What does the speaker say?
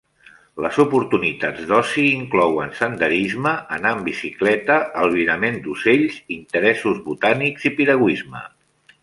Les oportunitats d'oci inclouen senderisme, anar en bicicleta, albirament d'ocells, interessos botànics i piragüisme.